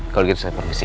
kalau gitu saya permisi